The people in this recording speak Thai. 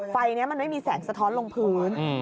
ไฟนี้มันไม่มีแสงสะท้อนลงพื้น